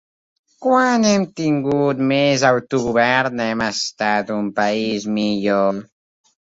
Quan hem tingut més autogovern hem estat un país millor